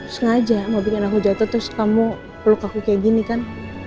sengaja mau bikin aku jatuh terus kamu peluk aku kayak gini kan